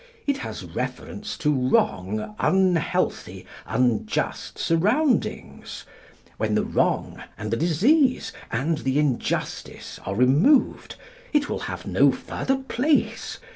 It has reference to wrong, unhealthy, unjust surroundings. When the wrong, and the disease, and the injustice are removed, it will have no further place.